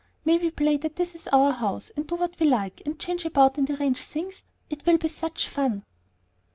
May we play that it is our house, and do what we like, and change about and arrange things? It will be such fun."